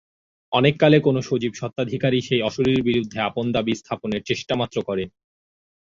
অনেককাল কোনো সজীব স্বত্বাধিকারী সেই অশরীরীর বিরুদ্ধে আপন দাবি স্থাপনের চেষ্টামাত্র করে নি।